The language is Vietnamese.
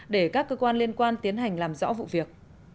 để các cơ quan liên quan tiến hành làm rõ vụ việc